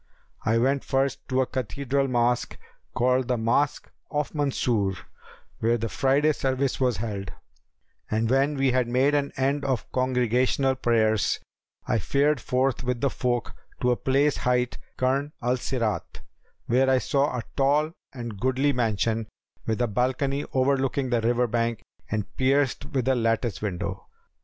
I went first to a cathedral mosque, called the Mosque of Mansur, where the Friday service was held, and when we had made an end of congregational prayers, I fared forth with the folk to a place hight Karn al Sirat, where I saw a tall and goodly mansion, with a balcony overlooking the river bank and pierced with a lattice window.